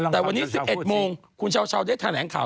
แต่วันนี้๑๑โมงคุณเช้าได้แถลงข่าว